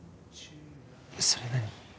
それ何？